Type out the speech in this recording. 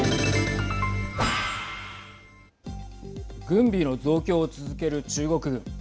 軍備の増強を続ける中国軍。